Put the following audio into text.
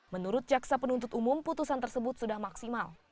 menurut jaksa penuntut umum putusan tersebut sudah maksimal